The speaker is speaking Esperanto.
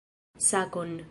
Sakon!